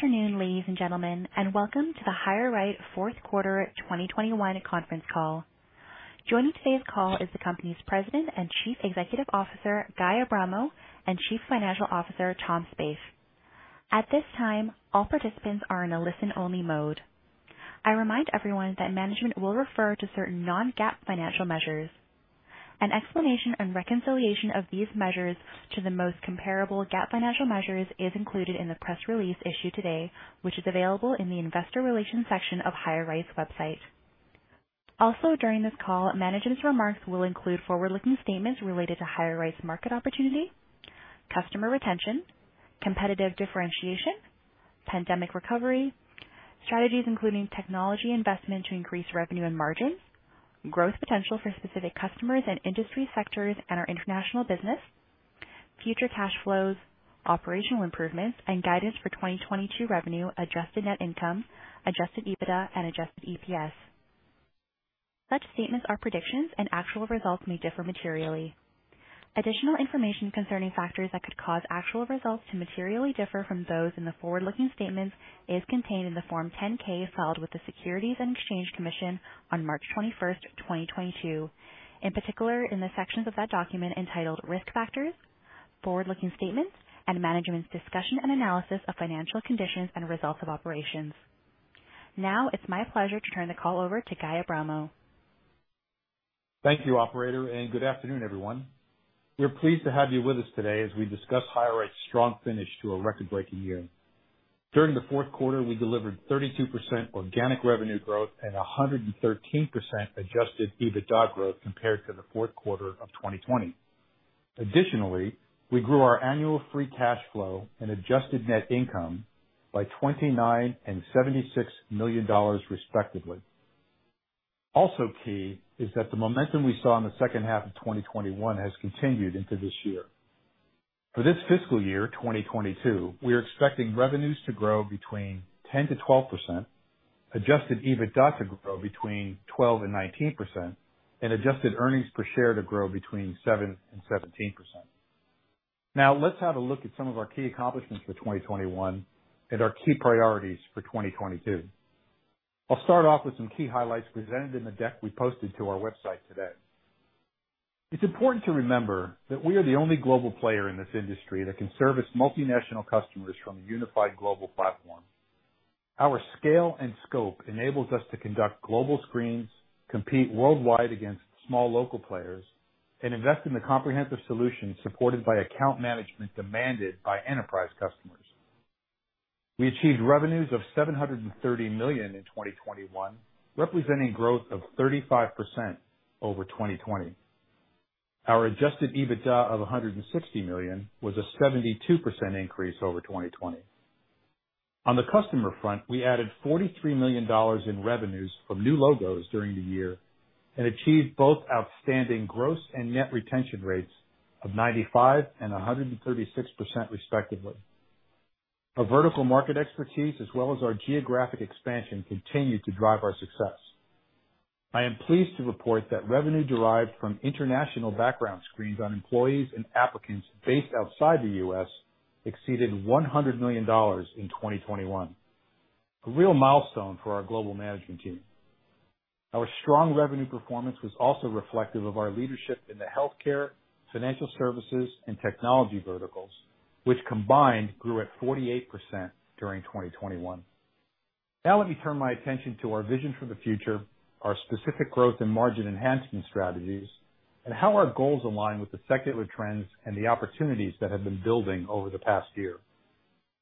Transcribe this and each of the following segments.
Good afternoon, ladies and gentlemen, and welcome to the HireRight fourth quarter 2021 conference call. Joining today's call is the company's President and Chief Executive Officer, Guy Abramo, and Chief Financial Officer, Tom Spaeth. At this time, all participants are in a listen-only mode. I remind everyone that management will refer to certain non-GAAP financial measures. An explanation and reconciliation of these measures to the most comparable GAAP financial measures is included in the press release issued today, which is available in the investor relations section of HireRight's website. Also, during this call, management's remarks will include forward-looking statements related to HireRight's market opportunity, customer retention, competitive differentiation, pandemic recovery, strategies including technology investment to increase revenue and margins, growth potential for specific customers and industry sectors in our international business, future cash flows, operational improvements, and guidance for 2022 revenue, adjusted net income, adjusted EBITDA, and adjusted EPS. Such statements are predictions and actual results may differ materially. Additional information concerning factors that could cause actual results to materially differ from those in the forward-looking statements is contained in the Form 10-K filed with the Securities and Exchange Commission on March 21st, 2022, in particular, in the sections of that document entitled Risk Factors, Forward-Looking Statements, and Management's Discussion and Analysis of Financial Conditions and Results of Operations. Now it's my pleasure to turn the call over to Guy Abramo. Thank you operator, and good afternoon, everyone. We're pleased to have you with us today as we discuss HireRight's strong finish to a record-breaking year. During the fourth quarter, we delivered 32% organic revenue growth and 113% adjusted EBITDA growth compared to the fourth quarter of 2020. Additionally, we grew our annual free cash flow and adjusted net income by $29 million and $76 million, respectively. Also key is that the momentum we saw in the second half of 2021 has continued into this year. For this fiscal year, 2022, we are expecting revenues to grow between 10%-12%, adjusted EBITDA to grow between 12% and 19%, and adjusted earnings per share to grow between 7% and 17%. Now let's have a look at some of our key accomplishments for 2021 and our key priorities for 2022. I'll start off with some key highlights presented in the deck we posted to our website today. It's important to remember that we are the only global player in this industry that can service multinational customers from a unified global platform. Our scale and scope enables us to conduct global screens, compete worldwide against small local players, and invest in the comprehensive solutions supported by account management demanded by enterprise customers. We achieved revenues of $730 million in 2021, representing growth of 35% over 2020. Our adjusted EBITDA of $160 million was a 72% increase over 2020. On the customer front, we added $43 million in revenues from new logos during the year and achieved both outstanding gross and net retention rates of 95% and 136%, respectively. Our vertical market expertise as well as our geographic expansion continued to drive our success. I am pleased to report that revenue derived from international background screens on employees and applicants based outside the U.S. exceeded $100 million in 2021, a real milestone for our global management team. Our strong revenue performance was also reflective of our leadership in the healthcare, financial services, and technology verticals, which combined grew at 48% during 2021. Now let me turn my attention to our vision for the future, our specific growth and margin enhancement strategies, and how our goals align with the secular trends and the opportunities that have been building over the past year.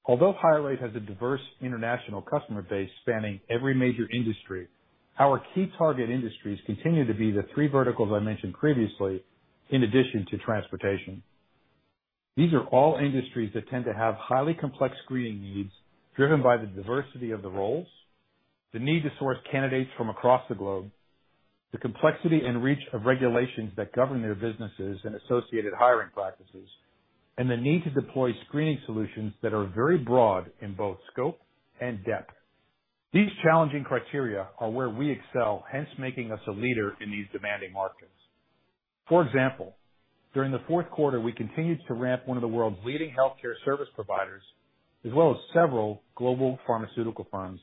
Although HireRight has a diverse international customer base spanning every major industry, our key target industries continue to be the three verticals I mentioned previously, in addition to transportation. These are all industries that tend to have highly complex screening needs driven by the diversity of the roles, the need to source candidates from across the globe, the complexity and reach of regulations that govern their businesses and associated hiring practices, and the need to deploy screening solutions that are very broad in both scope and depth. These challenging criteria are where we excel, hence making us a leader in these demanding markets. For example, during the fourth quarter, we continued to ramp one of the world's leading healthcare service providers as well as several global pharmaceutical firms.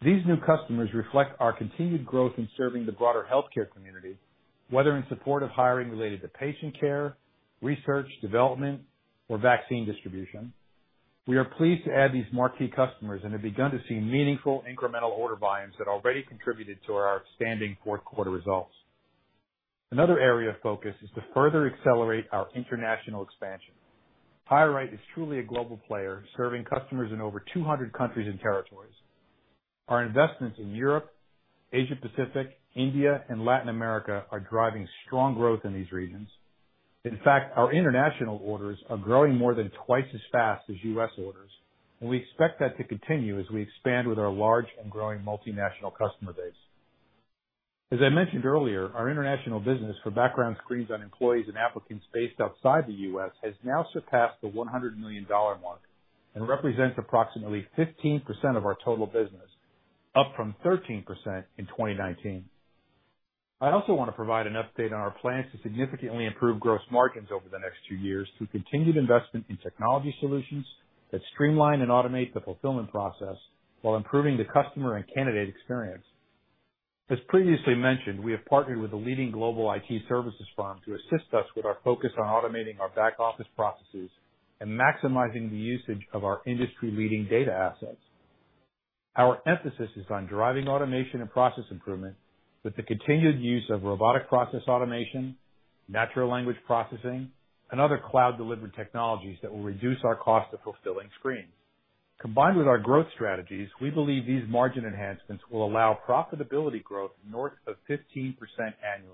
These new customers reflect our continued growth in serving the broader healthcare community, whether in support of hiring related to patient care, research, development, or vaccine distribution. We are pleased to add these marquee customers and have begun to see meaningful incremental order volumes that already contributed to our outstanding fourth quarter results. Another area of focus is to further accelerate our international expansion. HireRight is truly a global player, serving customers in over 200 countries and territories. Our investments in Europe, Asia Pacific, India, and Latin America are driving strong growth in these regions. In fact, our international orders are growing more than twice as fast as U.S. orders, and we expect that to continue as we expand with our large and growing multinational customer base. As I mentioned earlier, our international business for background screens on employees and applicants based outside the U.S. has now surpassed the $100 million mark and represents approximately 15% of our total business, up from 13% in 2019. I also wanna provide an update on our plans to significantly improve gross margins over the next two years through continued investment in technology solutions that streamline and automate the fulfillment process while improving the customer and candidate experience. As previously mentioned, we have partnered with a leading global IT services firm to assist us with our focus on automating our back-office processes and maximizing the usage of our industry-leading data assets. Our emphasis is on driving automation and process improvement with the continued use of Robotic Process Automation, Natural Language Processing, and other cloud-delivered technologies that will reduce our cost of fulfilling screens. Combined with our growth strategies, we believe these margin enhancements will allow profitability growth north of 15% annually.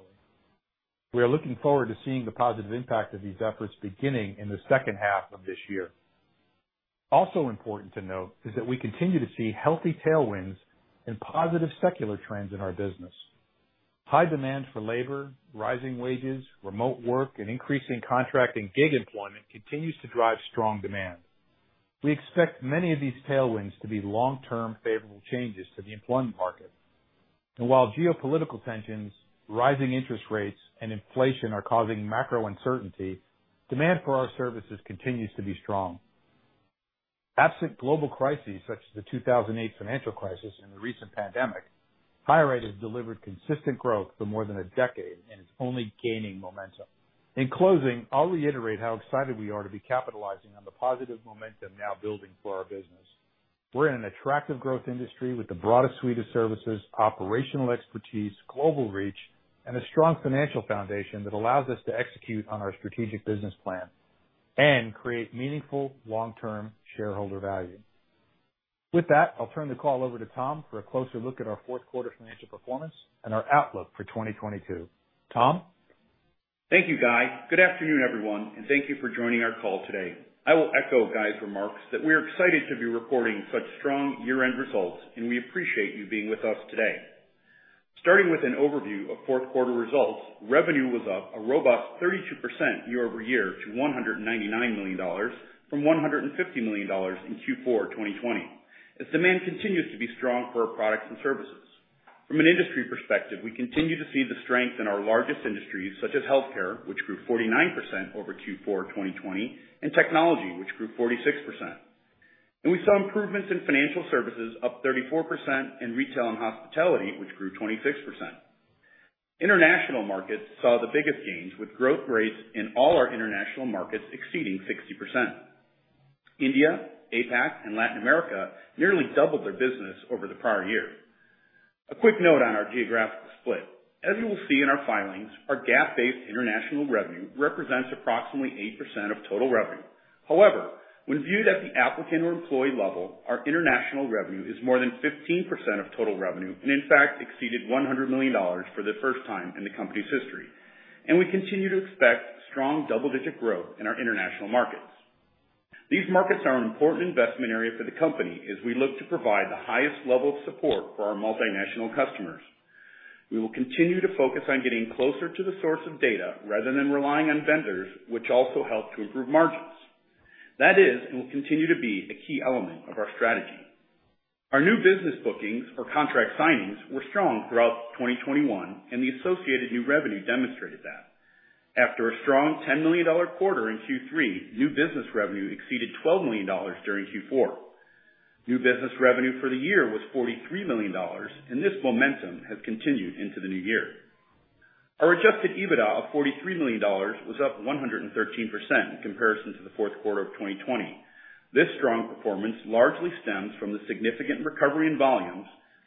We are looking forward to seeing the positive impact of these efforts beginning in the second half of this year. Also important to note is that we continue to see healthy tailwinds and positive secular trends in our business. High demand for labor, rising wages, remote work, and increasing contract and gig employment continues to drive strong demand. We expect many of these tailwinds to be long-term favorable changes to the employment market. While geopolitical tensions, rising interest rates, and inflation are causing macro uncertainty, demand for our services continues to be strong. Absent global crises such as the 2008 financial crisis and the recent pandemic, HireRight has delivered consistent growth for more than a decade and is only gaining momentum. In closing, I'll reiterate how excited we are to be capitalizing on the positive momentum now building for our business. We're in an attractive growth industry with the broadest suite of services, operational expertise, global reach, and a strong financial foundation that allows us to execute on our strategic business plan and create meaningful long-term shareholder value. With that, I'll turn the call over to Tom for a closer look at our fourth quarter financial performance and our outlook for 2022. Tom? Thank you, Guy. Good afternoon, everyone, and thank you for joining our call today. I will echo Guy's remarks that we're excited to be reporting such strong year-end results, and we appreciate you being with us today. Starting with an overview of fourth quarter results, revenue was up a robust 32% year-over-year to $199 million from $150 million in Q4 2020, as demand continues to be strong for our products and services. From an industry perspective, we continue to see the strength in our largest industries such as healthcare, which grew 49% over Q4 2020, and technology, which grew 46%. We saw improvements in financial services, up 34%, and retail and hospitality, which grew 26%. International markets saw the biggest gains, with growth rates in all our international markets exceeding 60%. India, APAC, and Latin America nearly doubled their business over the prior year. A quick note on our geographical split. As you will see in our filings, our GAAP-based international revenue represents approximately 8% of total revenue. However, when viewed at the applicant or employee level, our international revenue is more than 15% of total revenue, and in fact exceeded $100 million for the first time in the company's history. We continue to expect strong double-digit growth in our international markets. These markets are an important investment area for the company as we look to provide the highest level of support for our multinational customers. We will continue to focus on getting closer to the source of data rather than relying on vendors, which also help to improve margins. That is and will continue to be a key element of our strategy. Our new business bookings or contract signings were strong throughout 2021, and the associated new revenue demonstrated that. After a strong $10 million quarter in Q3, new business revenue exceeded $12 million during Q4. New business revenue for the year was $43 million, and this momentum has continued into the new year. Our adjusted EBITDA of $43 million was up 113% in comparison to the fourth quarter of 2020. This strong performance largely stems from the significant recovery in volumes,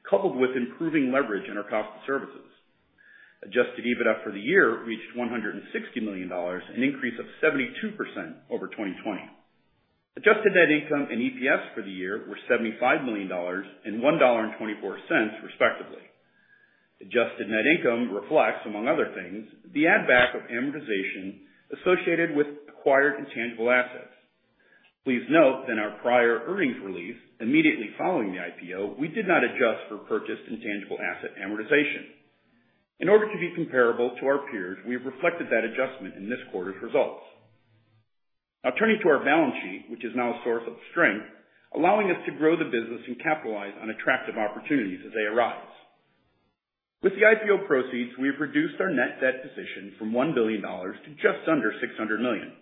coupled with improving leverage in our cost of services. Adjusted EBITDA for the year reached $160 million, an increase of 72% over 2020. Adjusted net income and EPS for the year were $75 million and $1.24, respectively. Adjusted net income reflects, among other things, the add back of amortization associated with acquired intangible assets. Please note that in our prior earnings release, immediately following the IPO, we did not adjust for purchased intangible asset amortization. In order to be comparable to our peers, we have reflected that adjustment in this quarter's results. Now turning to our balance sheet, which is now a source of strength, allowing us to grow the business and capitalize on attractive opportunities as they arise. With the IPO proceeds, we have reduced our net debt position from $1 billion to just under $600 million.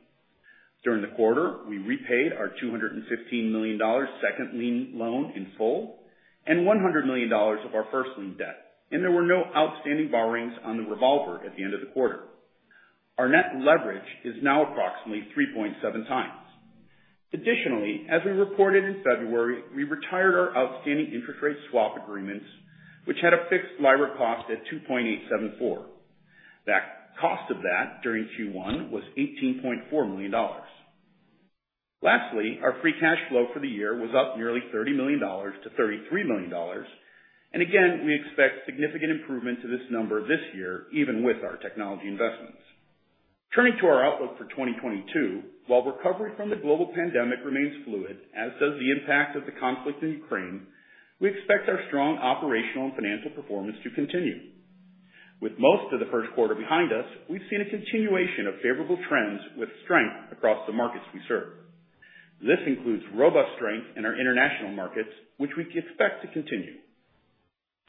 During the quarter, we repaid our $215 million second lien loan in full and $100 million of our first lien debt, and there were no outstanding borrowings on the revolver at the end of the quarter. Our net leverage is now approximately 3.7x. Additionally, as we reported in February, we retired our outstanding interest rate swap agreements, which had a fixed LIBOR cost at 2.874. That cost during Q1 was $18.4 million. Lastly, our free cash flow for the year was up nearly $30 million-$33 million. Again, we expect significant improvement to this number this year, even with our technology investments. Turning to our outlook for 2022. While recovery from the global pandemic remains fluid, as does the impact of the conflict in Ukraine, we expect our strong operational and financial performance to continue. With most of the first quarter behind us, we've seen a continuation of favorable trends with strength across the markets we serve. This includes robust strength in our international markets, which we expect to continue.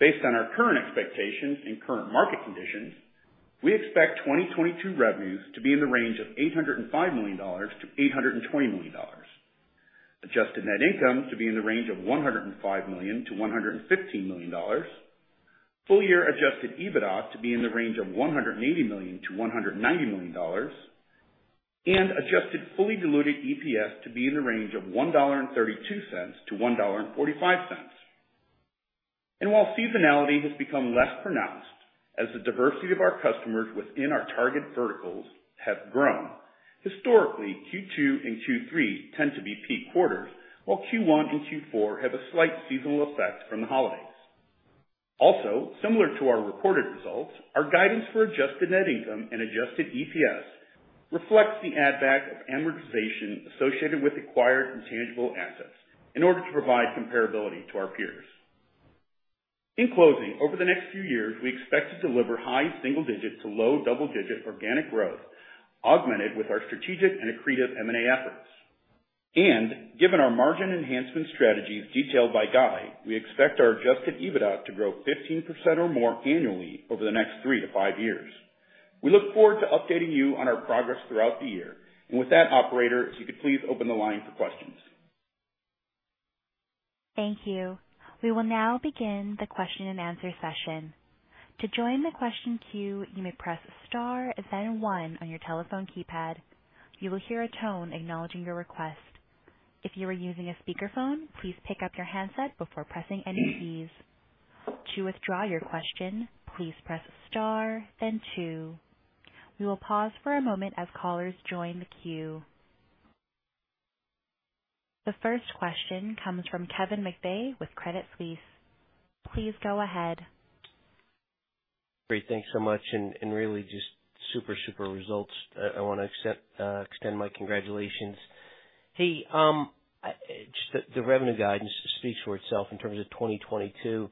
Based on our current expectations and current market conditions, we expect 2022 revenues to be in the range of $805 million-$820 million. Adjusted net income to be in the range of $105 million-$115 million. Full year adjusted EBITDA to be in the range of $180 million-$190 million. Adjusted fully diluted EPS to be in the range of $1.32-$1.45. While seasonality has become less pronounced as the diversity of our customers within our target verticals have grown, historically, Q2 and Q3 tend to be peak quarters, while Q1 and Q4 have a slight seasonal effect from the holidays. Also, similar to our reported results, our guidance for adjusted net income and adjusted EPS reflects the add back of amortization associated with acquired intangible assets in order to provide comparability to our peers. In closing, over the next few years, we expect to deliver high single digits to low double-digit organic growth, augmented with our strategic and accretive M&A efforts. Given our margin enhancement strategies detailed by Guy, we expect our adjusted EBITDA to grow 15% or more annually over the next three to five years. We look forward to updating you on our progress throughout the year. With that, operator, if you could please open the line for questions. Thank you. We will now begin the question-and-answer session. To join the question queue, you may press star then one on your telephone keypad. You will hear a tone acknowledging your request. If you are using a speakerphone, please pick up your handset before pressing any keys. To withdraw your question, please press star then two. We will pause for a moment as callers join the queue. The first question comes from Kevin McVeigh with Credit Suisse. Please go ahead. Great. Thanks so much and really just super results. I extend my congratulations. Hey, just the revenue guidance speaks for itself in terms of 2022.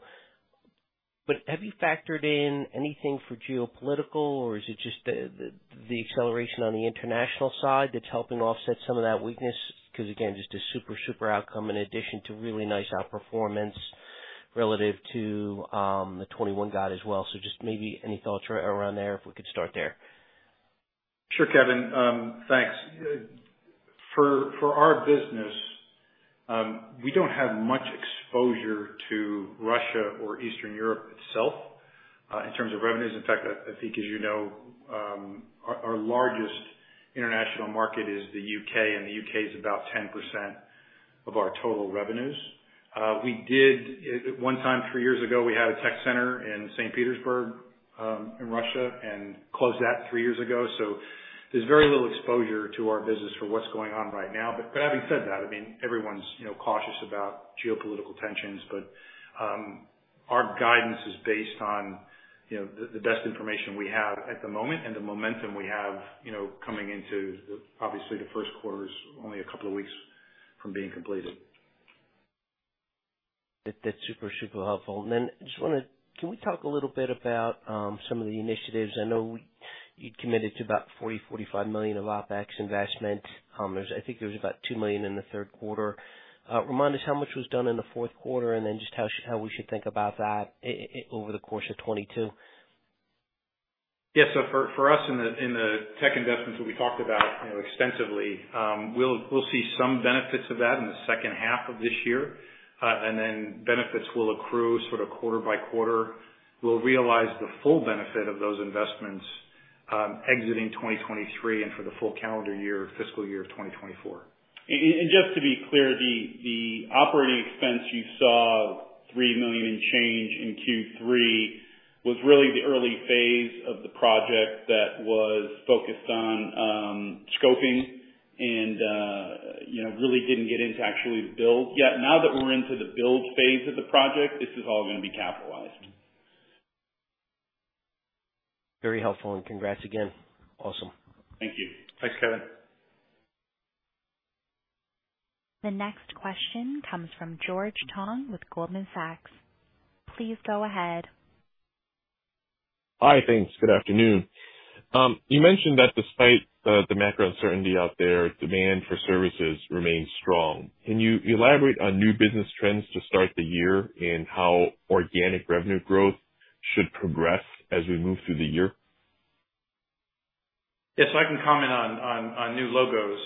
Have you factored in anything for geopolitical, or is it just the acceleration on the international side that's helping offset some of that weakness? 'Cause again, just a super outcome in addition to really nice outperformance relative to the 2021 guide as well. Just maybe any thoughts around there, if we could start there. Sure, Kevin. Thanks. For our business, we don't have much exposure to Russia or Eastern Europe itself, in terms of revenues. In fact, I think as you know, our largest international market is the U.K., and the U.K. is about 10% of our total revenues. We did it one time three years ago, we had a tech center in St. Petersburg, in Russia and closed that three years ago. So there's very little exposure to our business for what's going on right now. Having said that, I mean, everyone's you know cautious about geopolitical tensions, but our guidance is based on you know the best information we have at the moment and the momentum we have you know coming into the obviously the first quarter's only a couple of weeks from being completed. That's super helpful. Then just want to talk a little bit about some of the initiatives. I know you'd committed to about $40 million-$45 million of OpEx investment. I think there was about $2 million in the third quarter. Remind us how much was done in the fourth quarter, and then just how we should think about that over the course of 2022. Yeah. For us in the tech investments that we talked about, you know, extensively, we'll see some benefits of that in the second half of this year. Benefits will accrue sort of quarter by quarter. We'll realize the full benefit of those investments, exiting 2023 and for the full calendar year, fiscal year of 2024. Just to be clear, the operating expense you saw, $3 million increase in Q3, was really the early phase of the project that was focused on scoping and, you know, really didn't get into the actual build yet. Now that we're into the build phase of the project, this is all gonna be capitalized. Very helpful. Congrats again. Awesome. Thank you. Thanks, Kevin. The next question comes from George Tong with Goldman Sachs. Please go ahead. Hi, thanks. Good afternoon. You mentioned that despite the macro uncertainty out there, demand for services remains strong. Can you elaborate on new business trends to start the year and how organic revenue growth should progress as we move through the year? Yes, I can comment on new logos.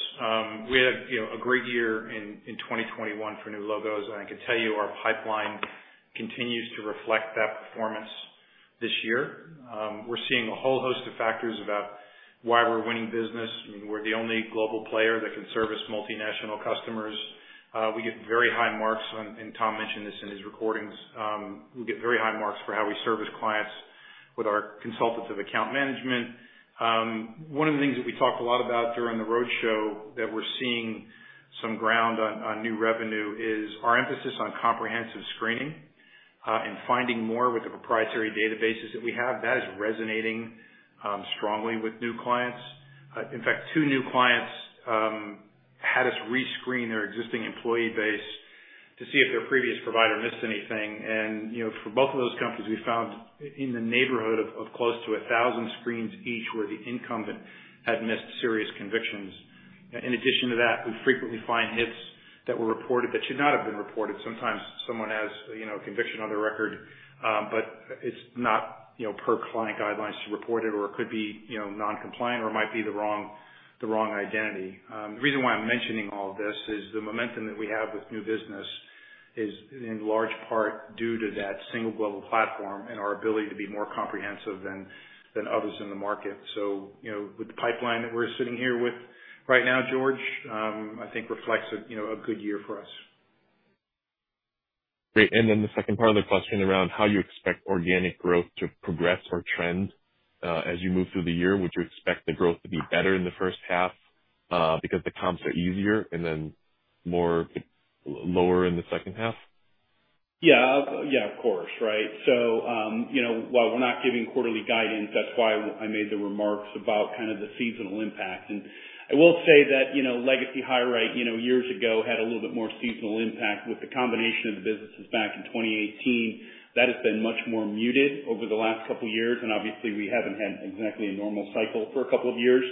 We had, you know, a great year in 2021 for new logos, and I can tell you our pipeline continues to reflect that performance this year. We're seeing a whole host of factors about why we're winning business. I mean, we're the only global player that can service multinational customers. We get very high marks, and Tom mentioned this in his remarks. We get very high marks for how we service clients with our consultants and account management. One of the things that we talked a lot about during the roadshow that we're seeing some growth on new revenue is our emphasis on comprehensive screening, and finding more with the proprietary databases that we have. That is resonating strongly with new clients. In fact, two new clients had us rescreen their existing employee base to see if their previous provider missed anything. You know, for both of those companies, we found in the neighborhood of close to 1,000 screens each where the incumbent had missed serious convictions. In addition to that, we frequently find hits that were reported that should not have been reported. Sometimes someone has, you know, a conviction on their record, but it's not, you know, per client guidelines to report it or it could be, you know, non-compliant or it might be the wrong identity. The reason why I'm mentioning all of this is the momentum that we have with new business is in large part due to that single global platform and our ability to be more comprehensive than others in the market. You know, with the pipeline that we're sitting here with right now, George, I think reflects a you know a good year for us. Great. The second part of the question around how you expect organic growth to progress or trend, as you move through the year. Would you expect the growth to be better in the first half, because the comps are easier and then more lower in the second half? Yeah, of course, right. You know, while we're not giving quarterly guidance, that's why I made the remarks about kind of the seasonal impact. I will say that, you know, legacy HireRight, you know, years ago had a little bit more seasonal impact with the combination of the businesses back in 2018. That has been much more muted over the last couple years, and obviously we haven't had exactly a normal cycle for a couple of years.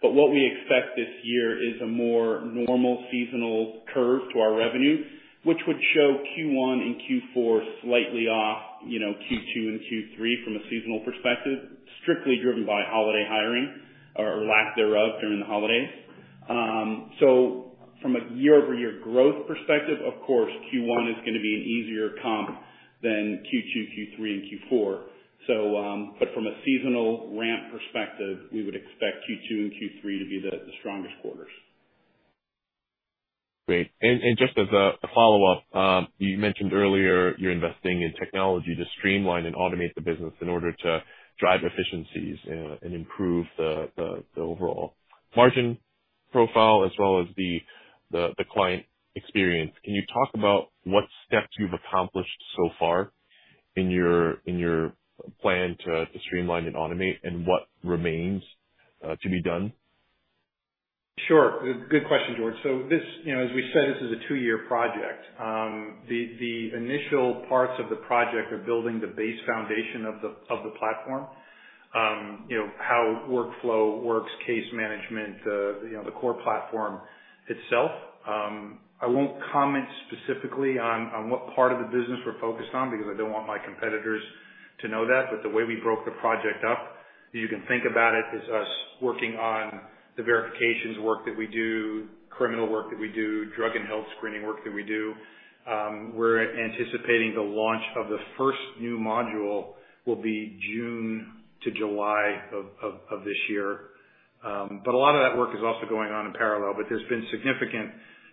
What we expect this year is a more normal seasonal curve to our revenue, which would show Q1 and Q4 slightly off, you know, Q2 and Q3 from a seasonal perspective, strictly driven by holiday hiring or lack thereof during the holidays. From a year-over-year growth perspective, of course, Q1 is gonna be an easier comp than Q2, Q3, and Q4. From a seasonal ramp perspective, we would expect Q2 and Q3 to be the strongest quarters. Great. Just as a follow-up, you mentioned earlier you're investing in technology to streamline and automate the business in order to drive efficiencies and improve the overall margin profile as well as the client experience. Can you talk about what steps you've accomplished so far in your plan to streamline and automate and what remains to be done? Sure. Good question, George. This, you know, as we said, this is a two-year project. The initial parts of the project are building the base foundation of the platform. You know, how workflow works, case management, the core platform itself. I won't comment specifically on what part of the business we're focused on because I don't want my competitors to know that. The way we broke the project up, you can think about it as us working on the verifications work that we do, criminal work that we do, drug and health screening work that we do. We're anticipating the launch of the first new module will be June to July of this year. A lot of that work is also going on in parallel. There's been significant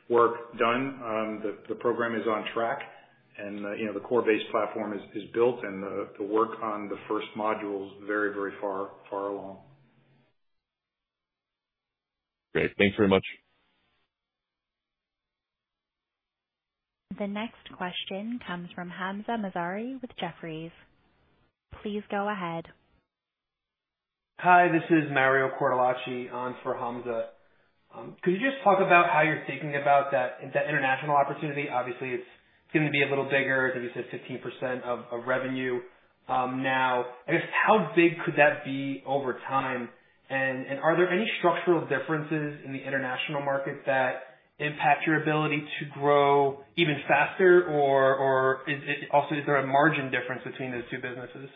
work done. The program is on track, you know, the core base platform is built and the work on the first module is very far along. Great. Thanks very much. The next question comes from Hamzah Mazari with Jefferies. Please go ahead. Hi, this is Mario Cortellacci on for Hamzah Mazari. Could you just talk about how you're thinking about that international opportunity? Obviously, it's going to be a little bigger because it's 15% of revenue now. I guess, how big could that be over time? And are there any structural differences in the international market that impact your ability to grow even faster? Or is it also, is there a margin difference between those two businesses?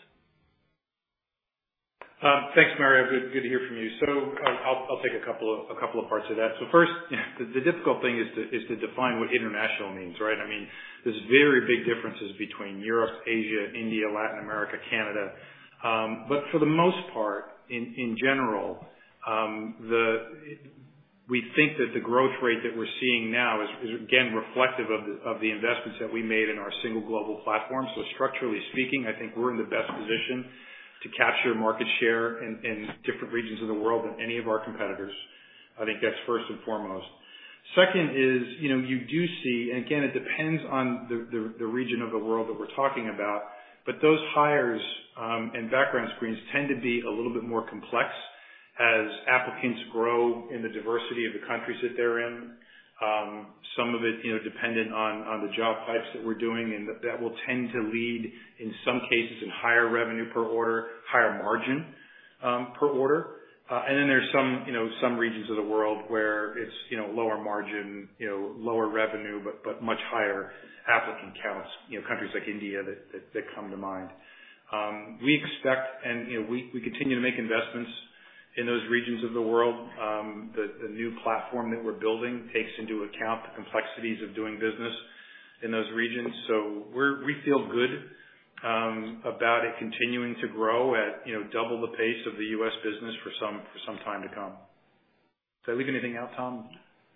Thanks, Mario. Good to hear from you. I'll take a couple of parts of that. First, the difficult thing is to define what international means, right? I mean, there's very big differences between Europe, Asia, India, Latin America, Canada. For the most part, in general, we think that the growth rate that we're seeing now is again reflective of the investments that we made in our single global platform. Structurally speaking, I think we're in the best position to capture market share in different regions of the world than any of our competitors. I think that's first and foremost. Second is, you know, you do see, and again, it depends on the region of the world that we're talking about, but those hires and background screens tend to be a little bit more complex as applicants grow in the diversity of the countries that they're in. Some of it, you know, dependent on the job types that we're doing, and that will tend to lead, in some cases, in higher revenue per order, higher margin per order. There's some, you know, some regions of the world where it's, you know, lower margin, you know, lower revenue, but much higher applicant counts, you know, countries like India that come to mind. We expect and, you know, we continue to make investments in those regions of the world. The new platform that we're building takes into account the complexities of doing business in those regions. We feel good about it continuing to grow at, you know, double the pace of the U.S. business for some time to come. Did I leave anything out, Tom?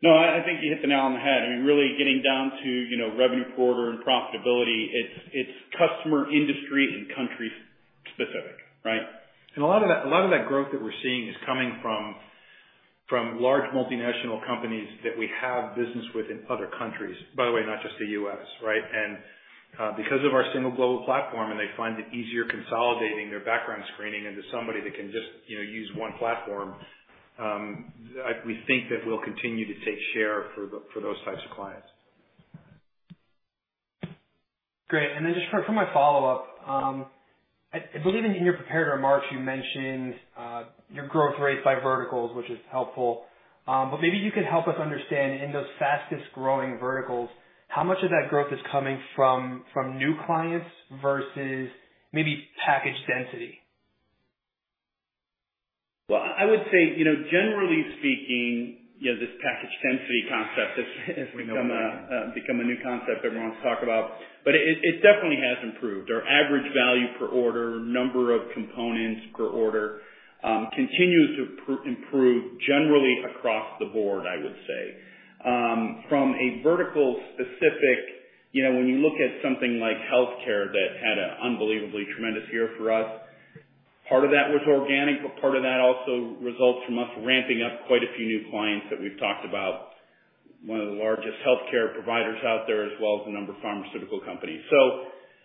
No, I think you hit the nail on the head. I mean, really getting down to, you know, revenue per order and profitability. It's customer, industry, and country specific, right? A lot of that growth that we're seeing is coming from large multinational companies that we have business with in other countries. By the way, not just the U.S., right? Because of our single global platform, and they find it easier consolidating their background screening into somebody that can just, you know, use one platform. We think that we'll continue to take share for those types of clients. Great. Then just for my follow-up, I believe in your prepared remarks, you mentioned your growth rate by verticals, which is helpful. But maybe you could help us understand, in those fastest-growing verticals, how much of that growth is coming from new clients versus maybe package density? Well, I would say, you know, generally speaking, you know, this package density concept has become a new concept everyone's talked about, but it definitely has improved. Our average value per order, number of components per order, continues to improve generally across the board, I would say. From a vertical specific, you know, when you look at something like healthcare that had an unbelievably tremendous year for us, part of that was organic, but part of that also results from us ramping up quite a few new clients that we've talked about, one of the largest healthcare providers out there, as well as a number of pharmaceutical companies.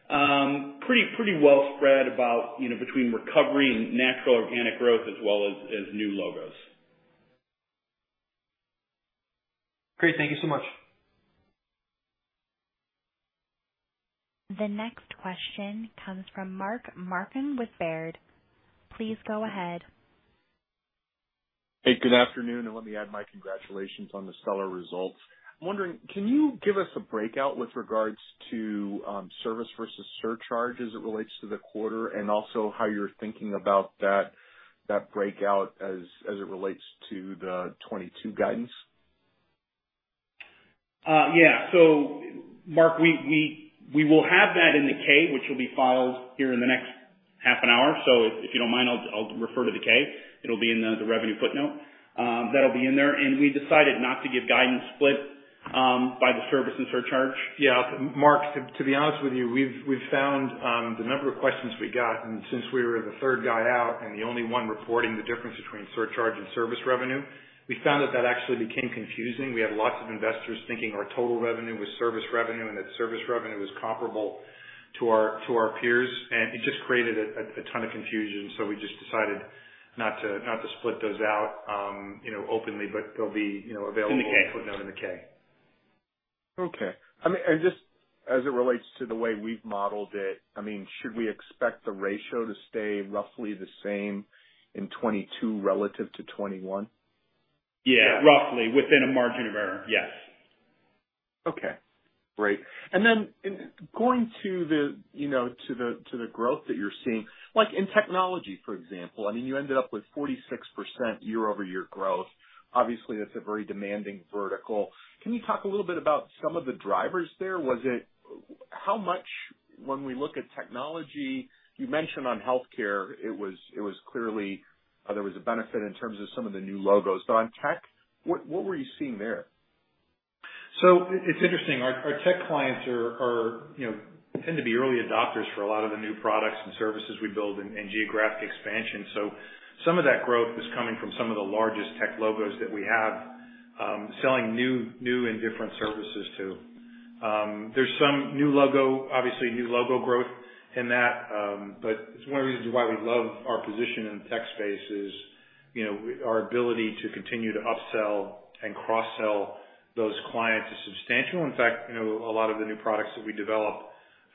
Pretty well spread about, you know, between recovery and natural organic growth as well as new logos. Great. Thank you so much. The next question comes from Mark Marcon with Baird. Please go ahead. Hey, good afternoon, and let me add my congratulations on the stellar results. I'm wondering, can you give us a breakout with regards to service versus surcharge as it relates to the quarter, and also how you're thinking about that breakout as it relates to the 2022 guidance? Yeah. Mark, we will have that in the K, which will be filed here in the next half an hour. If you don't mind, I'll refer to the K. It'll be in the revenue footnote. That'll be in there. We decided not to give guidance split by the service and surcharge. Mark, to be honest with you, we've found the number of questions we got, and since we were the third guy out and the only one reporting the difference between surcharge and service revenue, we found that that actually became confusing. We had lots of investors thinking our total revenue was service revenue, and that service revenue was comparable to our peers. It just created a ton of confusion. We just decided not to split those out, you know, openly, but they'll be, you know, available in the K, in the footnote in the K. Okay. I mean, just as it relates to the way we've modeled it, I mean, should we expect the ratio to stay roughly the same in 2022 relative to 2021? Yeah. Roughly within a margin of error. Yes. Okay. Great. Then in going to the, you know, to the growth that you're seeing, like in technology, for example, I mean, you ended up with 46% year-over-year growth. Obviously, that's a very demanding vertical. Can you talk a little bit about some of the drivers there? When we look at technology, you mentioned on healthcare it was clearly there was a benefit in terms of some of the new logos. But on tech, what were you seeing there? It's interesting. Our tech clients are, you know, tend to be early adopters for a lot of the new products and services we build and geographic expansion. Some of that growth is coming from some of the largest tech logos that we have, selling new and different services to. There's some new logo, obviously new logo growth in that. It's one of the reasons why we love our position in the tech space is, you know, our ability to continue to upsell and cross-sell those clients is substantial. In fact, you know, a lot of the new products that we develop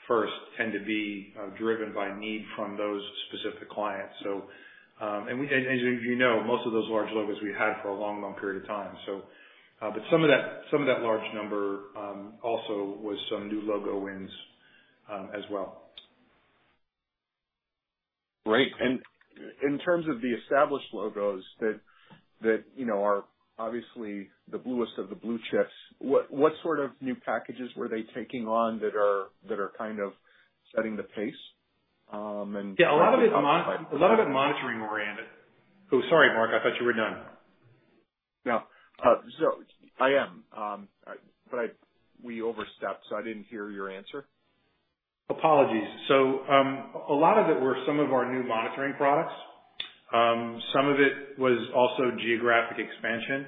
first tend to be driven by need from those specific clients. As you know, most of those large logos we've had for a long period of time. Some of that large number also was some new logo wins as well. Great. In terms of the established logos that you know are obviously the bluest of the blue chips, what sort of new packages were they taking on that are kind of setting the pace? Yeah. A lot of it monitoring oriented. Oh, sorry, Mark. I thought you were done. No. I am. We overstepped, so I didn't hear your answer. Apologies. A lot of it were some of our new monitoring products. Some of it was also geographic expansion.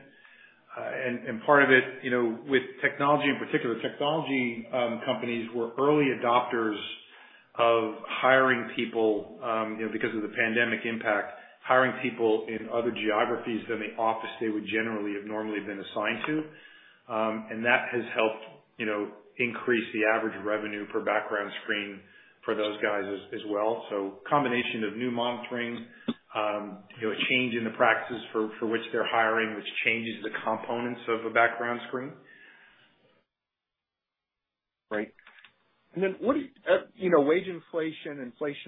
Part of it, you know, with technology in particular, companies were early adopters of hiring people, you know, because of the pandemic impact, hiring people in other geographies than the office they would generally have normally been assigned to. That has helped, you know, increase the average revenue per background screen for those guys as well. Combination of new monitoring, you know, a change in the practices for which they're hiring, which changes the components of a background screen. Right. You know, wage inflation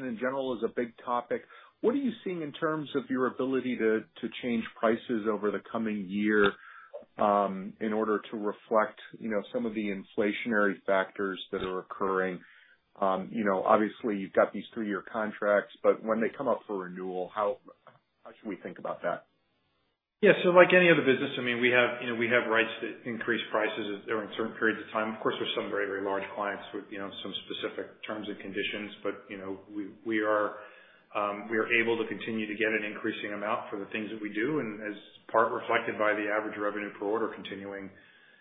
in general is a big topic. What are you seeing in terms of your ability to change prices over the coming year, in order to reflect, you know, some of the inflationary factors that are occurring? You know, obviously you've got these three-year contracts, but when they come up for renewal, how should we think about that? Yeah. Like any other business, I mean, we have, you know, we have rights to increase prices during certain periods of time. Of course, there's some very, very large clients with, you know, some specific terms and conditions. You know, we are able to continue to get an increasing amount for the things that we do and as part reflected by the average revenue per order continuing.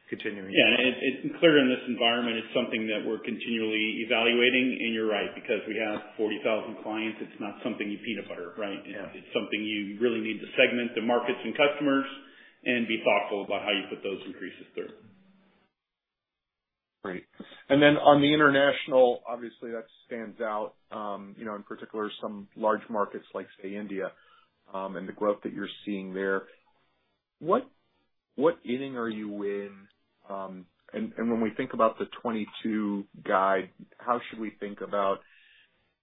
Yeah. It is clear in this environment it's something that we're continually evaluating. You're right, because we have 40,000 clients, it's not something you peanut butter, right? Yeah. It's something you really need to segment the markets and customers and be thoughtful about how you put those increases through. Great. Then on the international, obviously that stands out, you know, in particular some large markets like say India, and the growth that you're seeing there. What inning are you in, and when we think about the 2022 guide, how should we think about,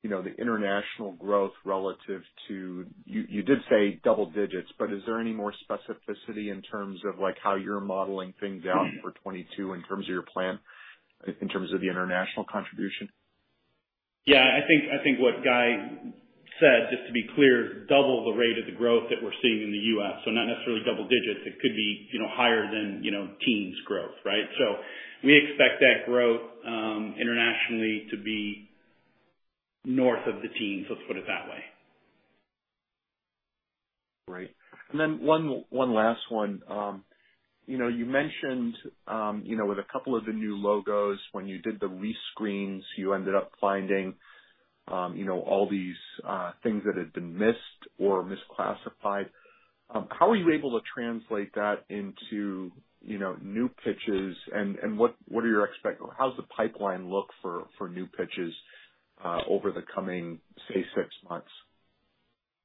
you know, the international growth relative to. You did say double digits, but is there any more specificity in terms of like how you're modeling things out for 2022 in terms of your plan, in terms of the international contribution? Yeah, I think what Guy said, just to be clear, double the rate of the growth that we're seeing in the U.S. Not necessarily double digits, it could be, you know, higher than, you know, teens growth, right? We expect that growth internationally to be north of the teens, let's put it that way. Great. One last one. You know, you mentioned, you know, with a couple of the new logos, when you did the rescreens, you ended up finding, you know, all these things that had been missed or misclassified. How were you able to translate that into, you know, new pitches and how's the pipeline look for new pitches over the coming, say, six months?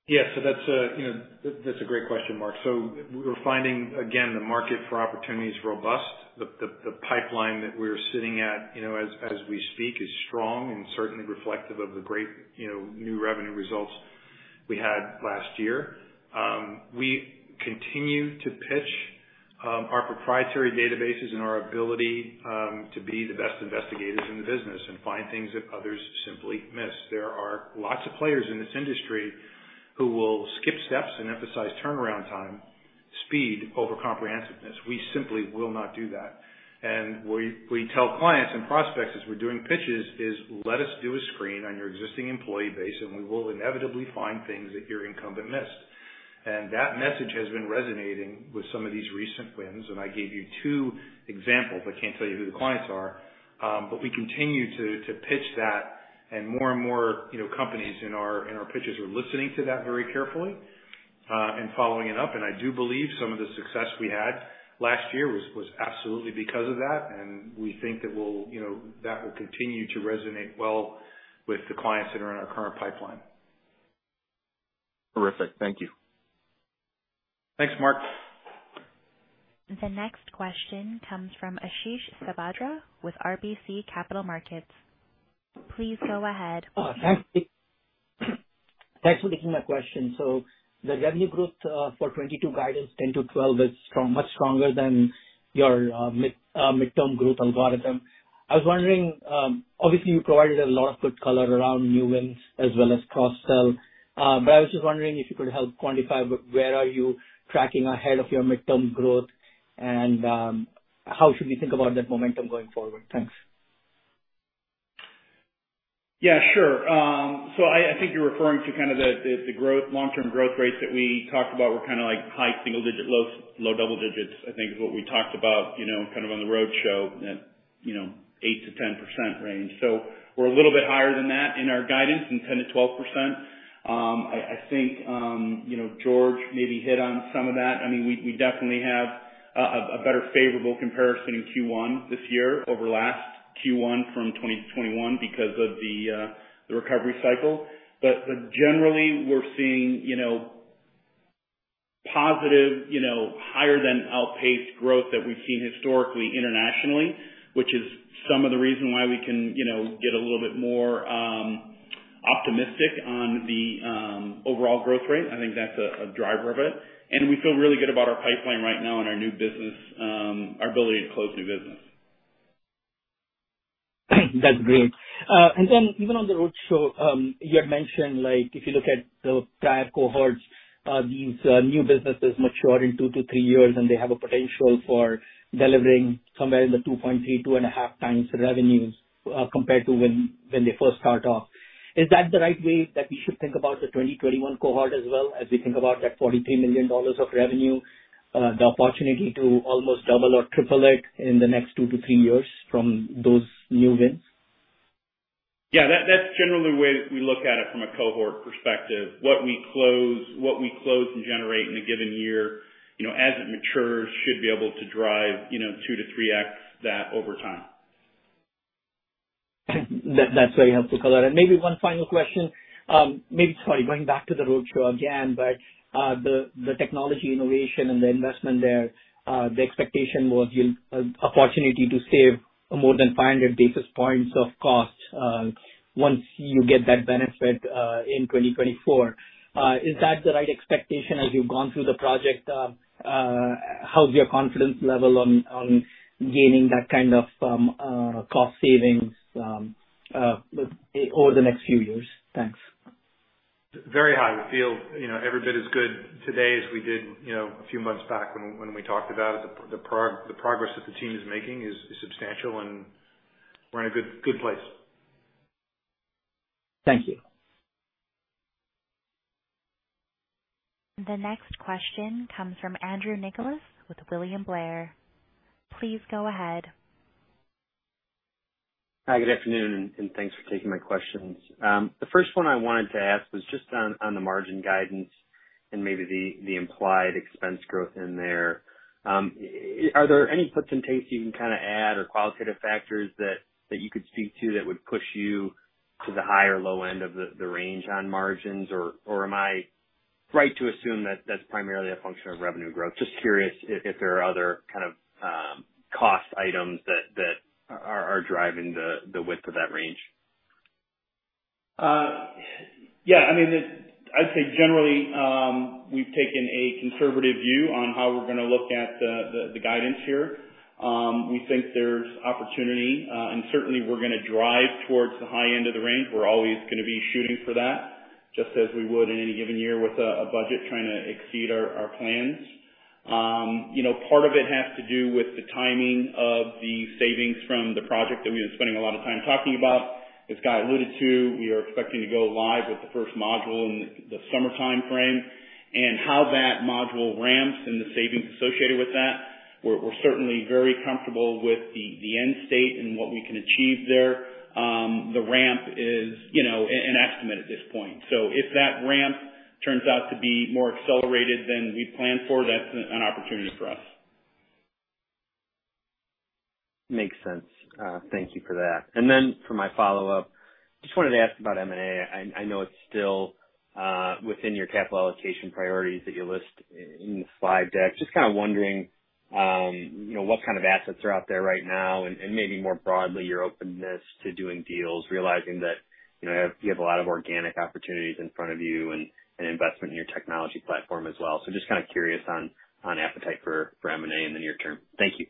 Yeah. That's, you know, that's a great question, Mark. We were finding, again, the market opportunity is robust. The pipeline that we're sitting at, you know, as we speak, is strong and certainly reflective of the great, you know, new revenue results we had last year. We continue to pitch our proprietary databases and our ability to be the best investigators in the business and find things that others simply miss. There are lots of players in this industry who will skip steps and emphasize turnaround time, speed over comprehensiveness. We simply will not do that. We tell clients and prospects as we're doing pitches is, "Let us do a screen on your existing employee base, and we will inevitably find things that your incumbent missed." That message has been resonating with some of these recent wins. I gave you two examples. I can't tell you who the clients are, but we continue to pitch that and more and more, you know, companies in our pitches are listening to that very carefully, and following it up. I do believe some of the success we had last year was absolutely because of that. We think that we'll, you know, that will continue to resonate well with the clients that are in our current pipeline. Terrific. Thank you. Thanks, Mark. The next question comes from Ashish Sabadra with RBC Capital Markets. Please go ahead. Thanks for taking my question. The revenue growth for 2022 guidance 10%-12% is strong, much stronger than your midterm growth algorithm. I was wondering, obviously, you provided a lot of good color around new wins as well as cross-sell. I was just wondering if you could help quantify where are you tracking ahead of your midterm growth and how should we think about that momentum going forward? Thanks. Yeah, sure. I think you're referring to the growth, long-term growth rates that we talked about were kinda like high single digits, low double digits, I think is what we talked about, you know, kind of on the roadshow at, you know, 8%-10% range. We're a little bit higher than that in our guidance in 10%-12%. I think, you know, George maybe hit on some of that. I mean, we definitely have a better favorable comparison in Q1 this year over last Q1 from 2020 to 2021 because of the recovery cycle. Generally we're seeing, you know, positive, you know, higher than outpaced growth that we've seen historically internationally, which is some of the reason why we can, you know, get a little bit more optimistic on the overall growth rate. I think that's a driver of it. We feel really good about our pipeline right now and our new business, our ability to close new business. That's great. Even on the roadshow, you had mentioned, like, if you look at the prior cohorts, these new businesses mature in two to three years, and they have a potential for delivering somewhere in the 2.3x to 2.5x revenues, compared to when they first start off. Is that the right way that we should think about the 2021 cohort as well, as we think about that $43 million of revenue, the opportunity to almost double or triple it in the next two to three years from those new wins? Yeah, that's generally the way we look at it from a cohort perspective. What we close and generate in a given year, you know, as it matures, should be able to drive, you know, 2x to 3x that over time. That's very helpful color. Maybe one final question. Maybe, sorry, going back to the roadshow again, the technology innovation and the investment there, the expectation was an opportunity to save more than 500 basis points of cost, once you get that benefit, in 2024. Is that the right expectation as you've gone through the project? How's your confidence level on gaining that kind of cost savings over the next few years? Thanks. Very high. We feel, you know, every bit as good today as we did, you know, a few months back when we talked about it. The progress that the team is making is substantial, and we're in a good place. Thank you. The next question comes from Andrew Nicholas with William Blair. Please go ahead. Hi, good afternoon, and thanks for taking my questions. The first one I wanted to ask was just on the margin guidance and maybe the implied expense growth in there. Are there any puts and takes you can kinda add or qualitative factors that you could speak to that would push you to the high or low end of the range on margins? Or am I right to assume that that's primarily a function of revenue growth? Just curious if there are other kind of cost items that are driving the width of that range. Yeah. I mean, it's. I'd say generally, we've taken a conservative view on how we're gonna look at the guidance here. We think there's opportunity, and certainly we're gonna drive towards the high end of the range. We're always gonna be shooting for that, just as we would in any given year with a budget, trying to exceed our plans. You know, part of it has to do with the timing of the savings from the project that we've been spending a lot of time talking about. As Guy alluded to, we are expecting to go live with the first module in the summer timeframe, and how that module ramps and the savings associated with that, we're certainly very comfortable with the end state and what we can achieve there. The ramp is, you know, an estimate at this point. If that ramp turns out to be more accelerated than we'd planned for, that's an opportunity for us. Makes sense. Thank you for that. For my follow-up, just wanted to ask about M&A. I know it's still within your capital allocation priorities that you list in the slide deck. Just kinda wondering, you know, what kind of assets are out there right now, and maybe more broadly, your openness to doing deals, realizing that, you know, you have a lot of organic opportunities in front of you and an investment in your technology platform as well. Just kinda curious on appetite for M&A in the near term. Thank you.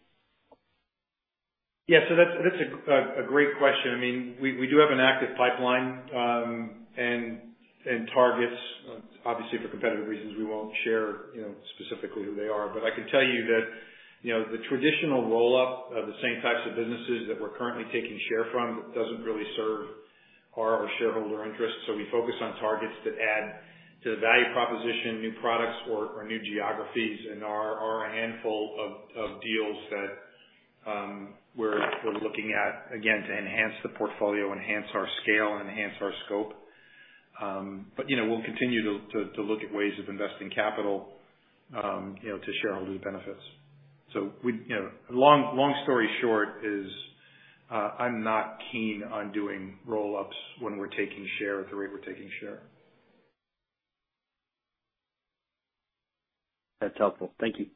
Yeah. That's a great question. I mean, we do have an active pipeline and targets. Obviously for competitive reasons, we won't share, you know, specifically who they are. I can tell you that, you know, the traditional roll-up of the same types of businesses that we're currently taking share from doesn't really serve our shareholder interests. We focus on targets that add to the value proposition, new products or new geographies. There are a handful of deals that we're looking at, again, to enhance the portfolio, enhance our scale, and enhance our scope. You know, we'll continue to look at ways of investing capital, you know, to shareholder benefits. You know, long story short is, I'm not keen on doing roll-ups when we're taking share at the rate we're taking share. That's helpful. Thank you.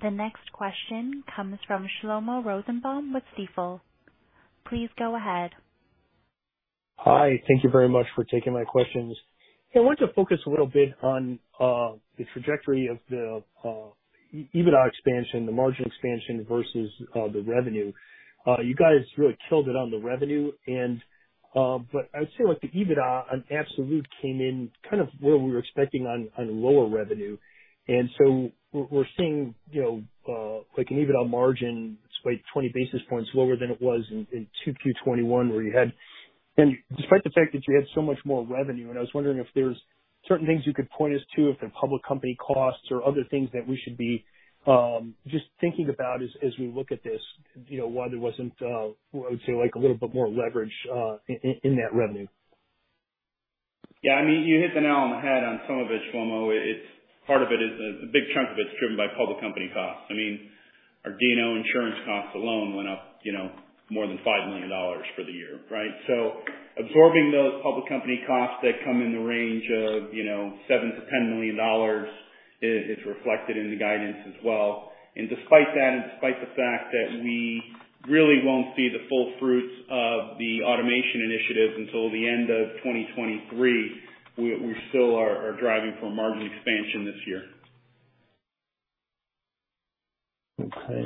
The next question comes from Shlomo Rosenbaum with Stifel. Please go ahead. Hi. Thank you very much for taking my questions. I want to focus a little bit on the trajectory of the EBITDA expansion, the margin expansion versus the revenue. You guys really killed it on the revenue and but I would say like the EBITDA on absolute came in kind of where we were expecting on lower revenue. We're seeing you know like an EBITDA margin, it's like 20 basis points lower than it was in 2Q 2021, where you had. Despite the fact that you had so much more revenue, I was wondering if there's certain things you could point us to, if in public company costs or other things that we should be just thinking about as we look at this, you know, why there wasn't I would say like a little bit more leverage in that revenue. Yeah, I mean, you hit the nail on the head on some of it, Shlomo. It's part of it is a big chunk of it's driven by public company costs. I mean, our D&O insurance costs alone went up, you know, more than $5 million for the year, right? So absorbing those public company costs that come in the range of, you know, $7 million-$10 million is reflected in the guidance as well. Despite that, and despite the fact that we really won't see the full fruits of the automation initiative until the end of 2023, we still are driving for a margin expansion this year. Okay.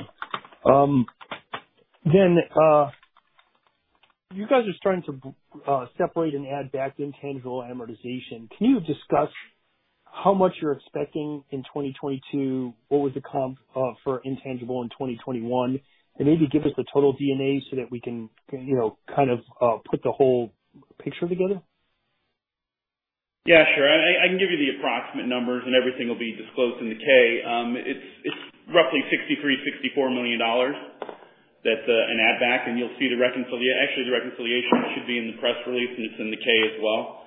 You guys are starting to separate and add back the intangible amortization. Can you discuss how much you're expecting in 2022? What was the comp for intangible in 2021? Maybe give us the total D&A so that we can you know kind of put the whole picture together. Yeah, sure. I can give you the approximate numbers, and everything will be disclosed in the K. It's roughly $63 million-$64 million. That's an add back, and you'll see the reconciliation. Actually, the reconciliation should be in the press release, and it's in the K as well.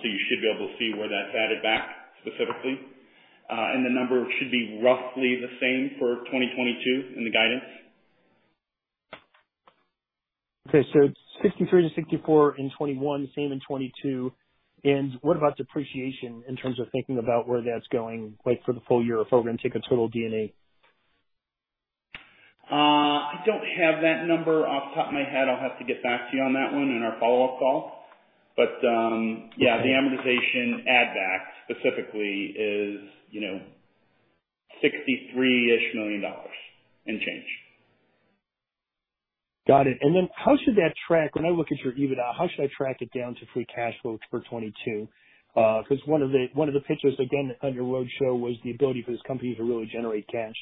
You should be able to see where that's added back specifically. The number should be roughly the same for 2022 in the guidance. Okay. $63 million-$64 million in 2021, same in 2022. What about depreciation in terms of thinking about where that's going, like for the full year, if we're gonna take a total D&A? I don't have that number off the top of my head. I'll have to get back to you on that one in our follow-up call. Yeah, the amortization add back specifically is, you know, $63 million and change. Got it. Then how should that track? When I look at your EBITDA, how should I track it down to free cash flow for 2022? Because one of the pitches again on your roadshow was the ability for this company to really generate cash.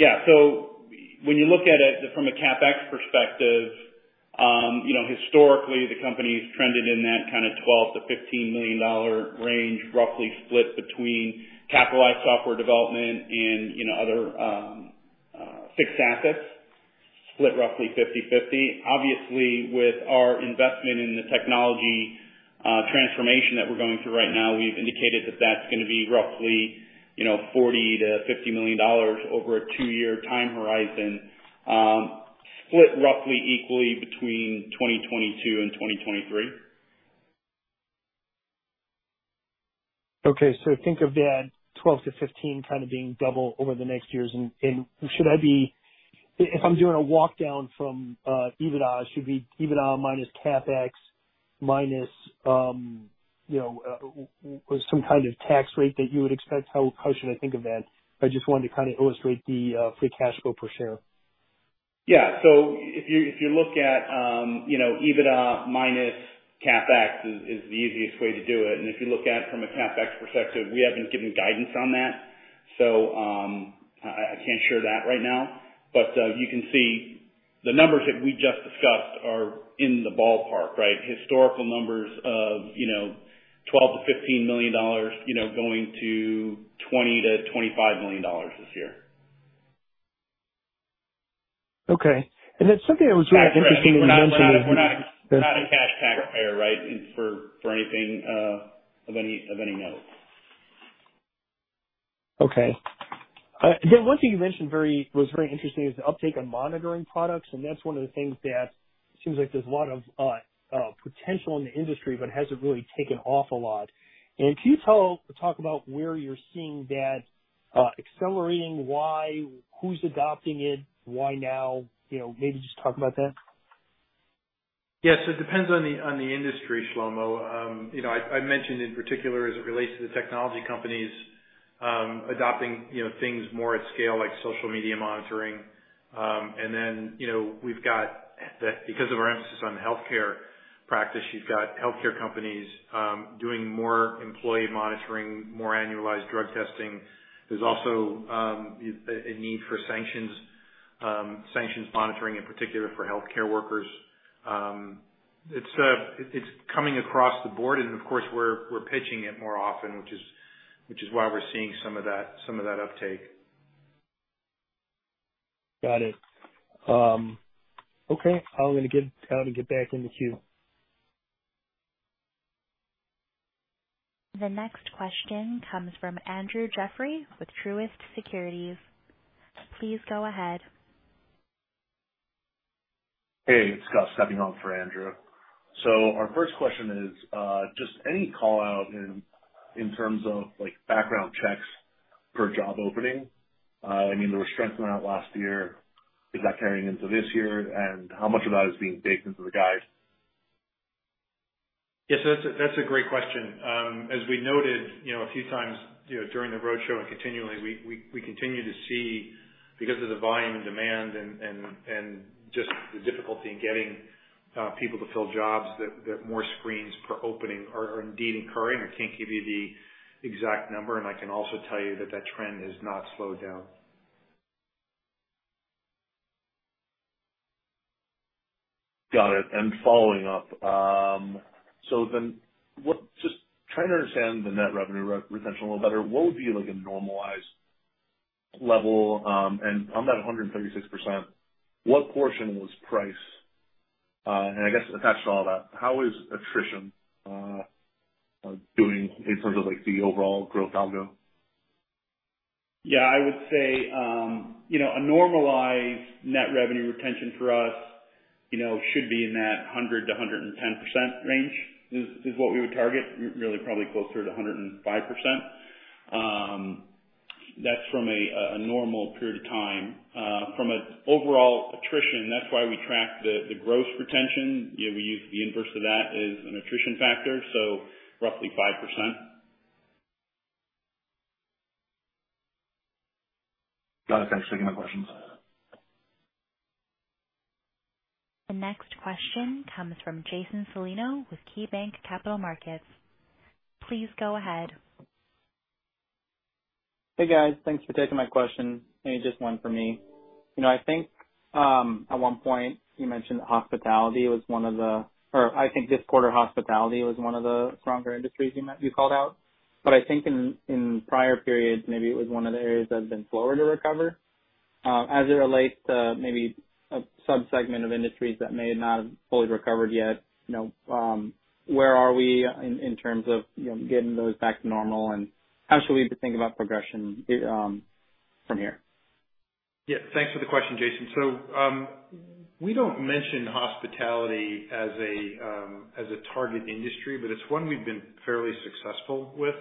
When you look at it from a CapEx perspective, you know, historically the company's trended in that kind of $12 million-$15 million range, roughly split between capitalized software development and, you know, other fixed assets split roughly 50/50. Obviously, with our investment in the technology transformation that we're going through right now, we've indicated that that's gonna be roughly, you know, $40 million-$50 million over a two-year time horizon, split roughly equally between 2022 and 2023. Okay. Think of that $12 million-$15 million kind of being double over the next years. Should I be? If I'm doing a walk down from EBITDA, should be EBITDA minus CapEx minus with some kind of tax rate that you would expect? How should I think of that? I just wanted to kind of illustrate the free cash flow per share. Yeah. If you look at EBITDA minus CapEx is the easiest way to do it. If you look at from a CapEx perspective, we haven't given guidance on that, so I can't share that right now. You can see the numbers that we just discussed are in the ballpark, right? Historical numbers of, you know, $12 million-$15 million, you know, going to $20 million-$25 million this year. Okay. Something that was really interesting that you mentioned. We're not a cash taxpayer, right, for anything of any note. Okay. Again, one thing you mentioned was very interesting is the uptake on monitoring products, and that's one of the things that seems like there's a lot of potential in the industry but hasn't really taken off a lot. Can you talk about where you're seeing that accelerating? Why? Who's adopting it? Why now? You know, maybe just talk about that. Yes. It depends on the industry, Shlomo. You know, I mentioned in particular as it relates to the technology companies adopting, you know, things more at scale like social media monitoring. You know, we've got that because of our emphasis on healthcare practice. You've got healthcare companies doing more employee monitoring, more annualized drug testing. There's also a need for sanctions monitoring in particular for healthcare workers. It's coming across the board, and of course we're pitching it more often, which is why we're seeing some of that uptake. Got it. Okay. I'm gonna get back in the queue. The next question comes from Andrew Jeffrey with Truist Securities. Please go ahead. Hey, it's Scott stepping on for Andrew. Our first question is, just any call out in terms of like background checks per job opening. I mean, there was strength in that last year. Is that carrying into this year? How much of that is being baked into the guide? Yes, that's a great question. As we noted, you know, a few times, you know, during the roadshow and continually, we continue to see because of the volume and demand and just the difficulty in getting people to fill jobs that more screens per opening are indeed occurring. I can't give you the exact number, and I can also tell you that trend has not slowed down. Got it. Following up, just trying to understand the net revenue retention a little better. What would be like a normalized level, and on that 136%, what portion was price? I guess attached to all that, how is attrition doing in terms of like the overall growth algo? Yeah, I would say, you know, a normalized net revenue retention for us, you know, should be in that 100%-110% range is what we would target. Really probably closer to 105%. That's from a normal period of time. From an overall attrition, that's why we track the gross retention. You know, we use the inverse of that as an attrition factor, so roughly 5%. Got it. Thanks for taking my questions. The next question comes from Jason Celino with KeyBanc Capital Markets. Please go ahead. Hey, guys. Thanks for taking my question. Maybe just one for me. You know, I think at one point you mentioned hospitality was one of the or I think this quarter hospitality was one of the stronger industries you called out. I think in prior periods, maybe it was one of the areas that had been slower to recover. As it relates to maybe a subsegment of industries that may not have fully recovered yet, you know, where are we in terms of, you know, getting those back to normal, and how should we be thinking about progression from here? Yeah. Thanks for the question, Jason. We don't mention hospitality as a target industry, but it's one we've been fairly successful with.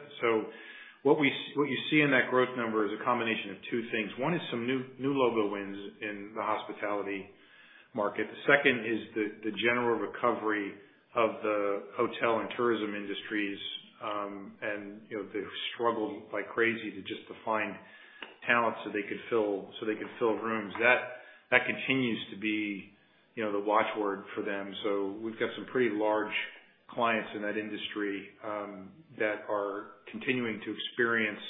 What you see in that growth number is a combination of two things. One is some new logo wins in the hospitality market. The second is the general recovery of the hotel and tourism industries, and you know, they've struggled like crazy to find talent so they can fill rooms. That continues to be, you know, the watchword for them. We've got some pretty large clients in that industry that are continuing to experience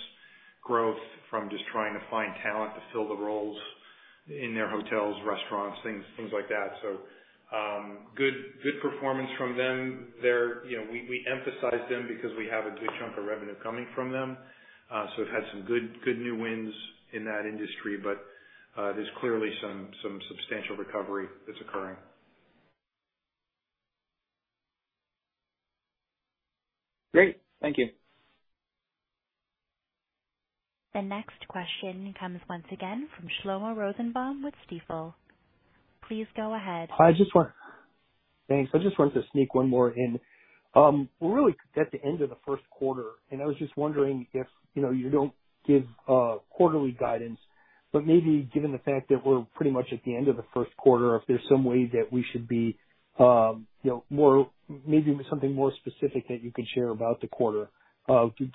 growth from just trying to find talent to fill the roles in their hotels, restaurants, things like that. Good performance from them. They're, you know, we emphasize them because we have a good chunk of revenue coming from them. We've had some good new wins in that industry, but there's clearly some substantial recovery that's occurring. Great. Thank you. The next question comes once again from Shlomo Rosenbaum with Stifel. Please go ahead. Thanks. I just wanted to sneak one more in. We're really at the end of the first quarter, and I was just wondering if, you know, you don't give quarterly guidance, but maybe given the fact that we're pretty much at the end of the first quarter, if there's some way that we should be, you know, more, maybe something more specific that you can share about the quarter,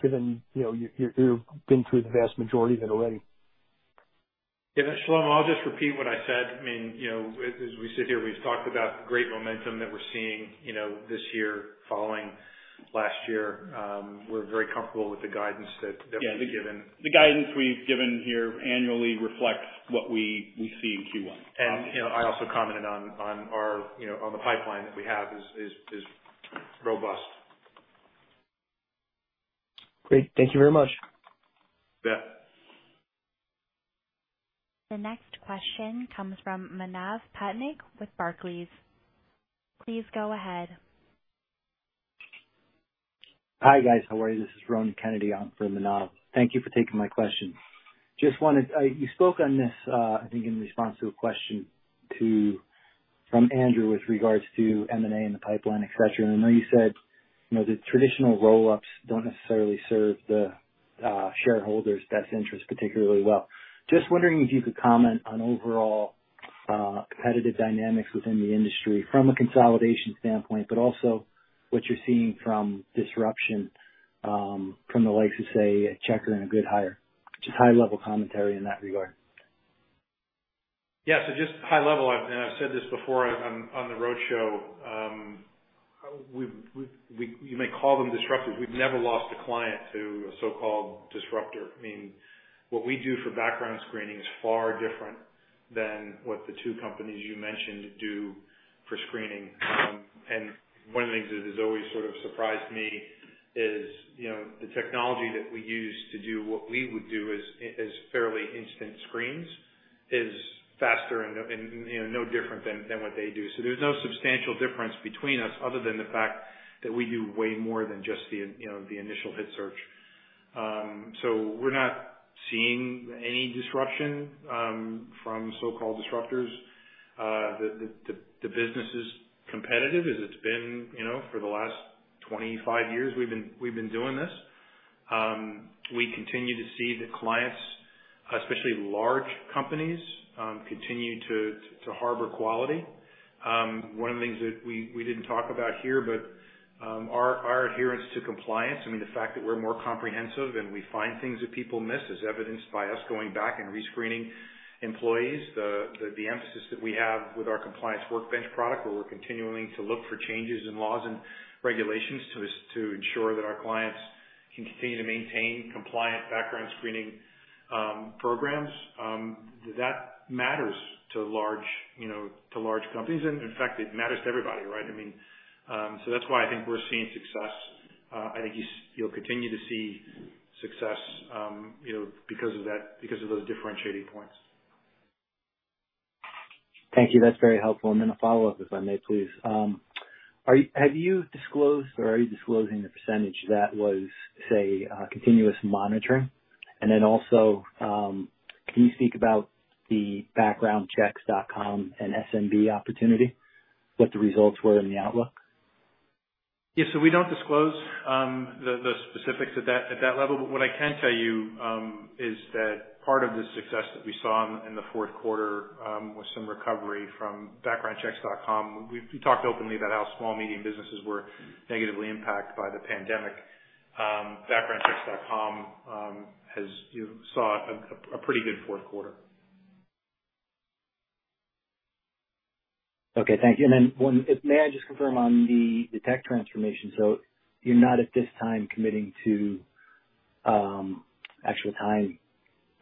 given, you know, you've been through the vast majority of it already. Yeah. Shlomo, I'll just repeat what I said. I mean, you know, as we sit here, we've talked about great momentum that we're seeing, you know, this year following last year. We're very comfortable with the guidance that we've given. Yeah. The guidance we've given here annually reflects what we see in Q1. You know, I also commented on our, you know, on the pipeline that we have is robust. Great. Thank you very much. You bet. The next question comes from Manav Patnaik with Barclays. Please go ahead. Hi, guys. How are you? This is Ronan Kennedy on for Manav Patnaik. Thank you for taking my question. You spoke on this, I think in response to a question from Andrew with regards to M&A in the pipeline, et cetera. I know you said, you know, the traditional roll-ups don't necessarily serve the shareholders' best interests particularly well. Just wondering if you could comment on overall competitive dynamics within the industry from a consolidation standpoint, but also what you're seeing from disruption from the likes of, say, a Checkr and a GoodHire. Just high-level commentary in that regard. Yeah. Just high level, and I've said this before on the roadshow. You may call them disruptors. We've never lost a client to a so-called disruptor. I mean, what we do for background screening is far different than what the two companies you mentioned do for screening. And one of the things that has always sort of surprised me is, you know, the technology that we use to do what we would do is fairly instant screens, is faster and, you know, no different than what they do. There's no substantial difference between us other than the fact that we do way more than just the, you know, the initial hit search. We're not seeing any disruption from so-called disruptors. The business is competitive as it's been, you know, for the last 25 years we've been doing this. We continue to see that clients, especially large companies, continue to value quality. One of the things that we didn't talk about here, but our adherence to compliance, I mean, the fact that we're more comprehensive and we find things that people miss as evidenced by us going back and rescreening employees. The emphasis that we have with our Compliance Workbench product, where we're continuing to look for changes in laws and regulations to ensure that our clients continue to maintain compliant background screening programs, that matters to large, you know, to large companies. In fact, it matters to everybody, right? I mean, so that's why I think we're seeing success. I think you'll continue to see success, you know, because of those differentiating points. Thank you. That's very helpful. A follow-up, if I may, please. Have you disclosed or are you disclosing the percentage that was, say, continuous monitoring? Can you speak about the backgroundchecks.com and SMB opportunity, what the results were in the outlook? Yeah. We don't disclose the specifics at that level. What I can tell you is that part of the success that we saw in the fourth quarter was some recovery from backgroundchecks.com. We've talked openly about how small, medium businesses were negatively impacted by the pandemic. Backgroundchecks.com saw a pretty good fourth quarter. Okay. Thank you. May I just confirm on the tech transformation? You're not at this time committing to actual time,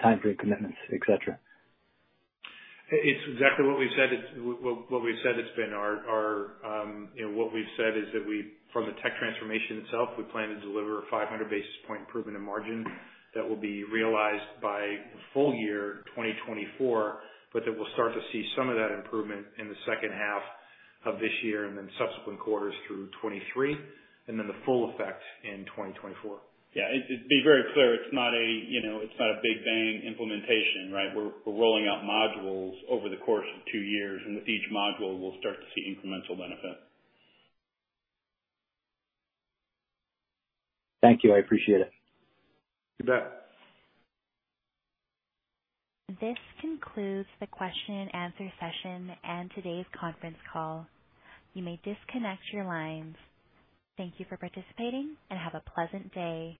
timeframe commitments, et cetera? It's exactly what we said. It's what we said it's been. You know what we've said is that from the tech transformation itself, we plan to deliver a 500 basis points improvement in margin that will be realized by full year 2024, but that we'll start to see some of that improvement in the second half of this year and then subsequent quarters through 2023 and then the full effect in 2024. Yeah. To be very clear, it's not a, you know, it's not a big bang implementation, right? We're rolling out modules over the course of two years, and with each module we'll start to see incremental benefit. Thank you. I appreciate it. You bet. This concludes the question and answer session and today's conference call. You may disconnect your lines. Thank you for participating and have a pleasant day.